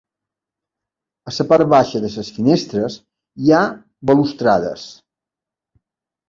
A la part baixa de les finestres hi ha balustrades.